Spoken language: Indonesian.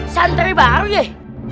santri baru deh